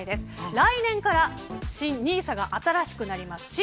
来年からＮＩＳＡが新しくなります。